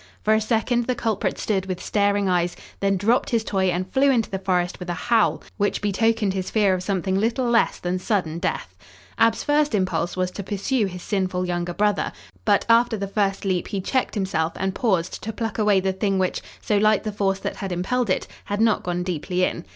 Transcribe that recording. For a second the culprit stood with staring eyes, then dropped his toy and flew into the forest with a howl which betokened his fear of something little less than sudden death. Ab's first impulse was to pursue his sinful younger brother, but, after the first leap, he checked himself and paused to pluck away the thing which, so light the force that had impelled it, had not gone deeply in.